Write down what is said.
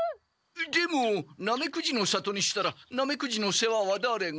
でもナメクジの里にしたらナメクジの世話はだれが？